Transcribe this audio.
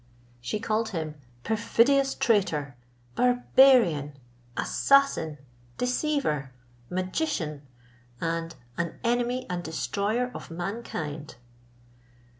She called him perfidious traitor, barbarian, assassin, deceiver, magician, and an enemy and destroyer of mankind.